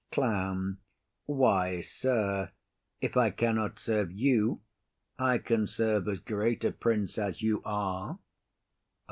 CLOWN. Why, sir, if I cannot serve you, I can serve as great a prince as you are.